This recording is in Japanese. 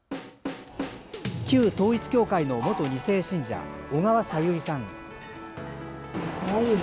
旧統一教会の元２世信者小川さゆりさん。